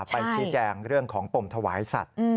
ไปชี้แจงเรื่องของปมถวายสัตว์